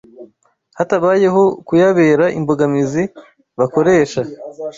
hatabayeho kuyabera imbogamizi bakoresha